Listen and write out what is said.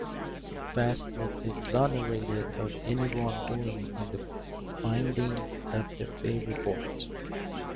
Fast was exonerated of any wrongdoing in the findings of the Fay Report.